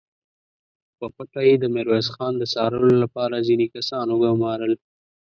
خو په پټه يې د ميرويس خان د څارلو له پاره ځينې کسان وګومارل!